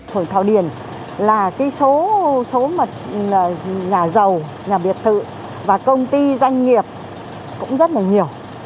hội thảo điền là cái số mà nhà giàu nhà biệt thự và công ty doanh nghiệp cũng rất là nhiều